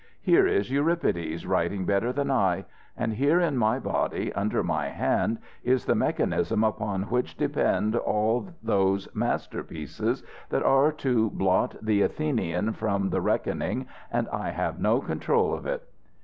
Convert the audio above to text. Here is Euripides writing better than I: and here in my body, under my hand, is the mechanism upon which depend all those masterpieces that are to blot the Athenian from the reckoning, and I have no control of it!"